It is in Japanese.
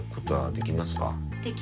できます。